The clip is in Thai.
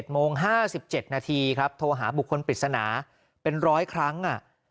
โมง๕๗นาทีครับโทรหาบุคคลปริศนาเป็น๑๐๐ครั้ง